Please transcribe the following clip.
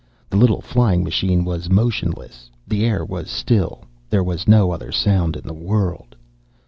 The little flying machine was motionless. The air was still. There was no other sound in the world.